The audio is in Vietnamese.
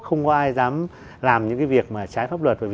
không có ai dám làm những cái việc mà trái pháp luật